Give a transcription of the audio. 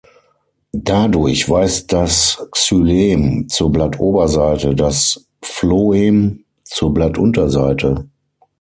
Dadurch weist das Xylem zur Blattoberseite, das Phloem zur Blattunterseite.